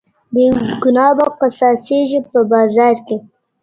بېگناه به قصاصېږي په بازار كي ,